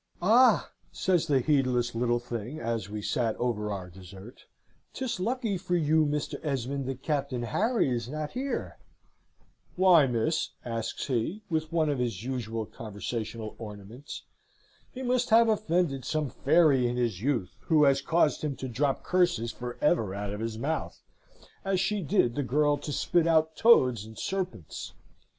"'Ah!' says the heedless little thing, as we sat over our dessert, ''tis lucky for you, Mr. Esmond, that Captain Harry is not here.' "'Why, miss?' asks he, with one of his usual conversational ornaments. He must have offended some fairy in his youth, who has caused him to drop curses for ever out of his mouth, as she did the girl to spit out toads and serpents.